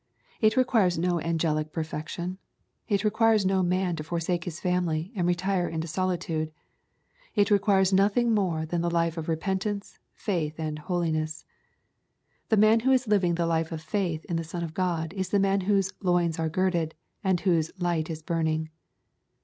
It requires no angelic perfection. It requires no man to foisake his family, and retire into solitude. It requires nothing mbre than the life of repentance, faith, aud holiness. The man who is living the life of faith in the Son of God is the man whose '^ loins are girded," and whose "light is burning."